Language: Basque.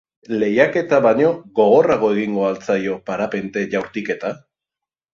Lehiaketa baino gogorrago egingo al zaio parapente jaurtiketa?